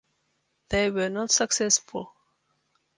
They were not successful.